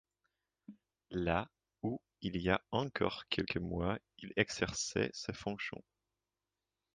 Là où il y a encore quelques mois il exerçait ses fonctions.